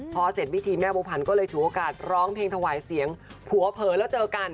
พอเสร็จพิธีแม่บัวพันธ์ก็เลยถือโอกาสร้องเพลงถวายเสียงผัวเผลอแล้วเจอกัน